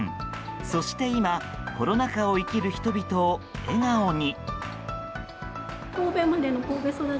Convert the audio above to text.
そして今コロナ禍を生きる人々を笑顔に。